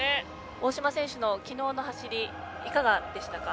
大島選手の昨日の走りいかがでしたか？